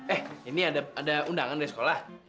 eh ini ada undangan dari sekolah